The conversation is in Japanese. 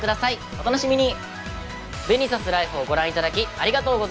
お楽しみに。